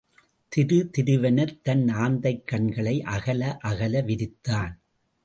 திரு திருவென தன் ஆந்தைக் கண்களை அகல அகல விரித்தான்.